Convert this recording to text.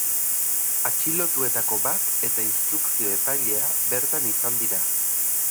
Atxilotuetako bat eta instrukzio-epailea bertan izan dira.